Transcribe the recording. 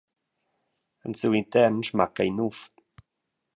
En siu intern smacca in nuv.